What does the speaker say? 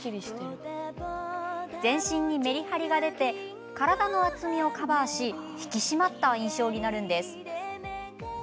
全身にメリハリが出て体の厚みをカバーし引き締まった印象になるんです。